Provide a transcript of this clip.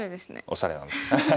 おしゃれなんです。